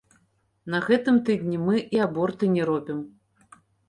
На гэтым тыдні мы і аборты не робім.